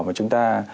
mà chúng ta